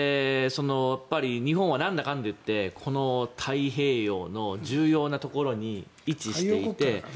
日本はなんだかんだ言ってこの太平洋の重要なところに位置していて。